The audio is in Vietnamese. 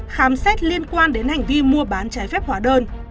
khám xét liên quan đến hành vi mua bán trái phép hóa đơn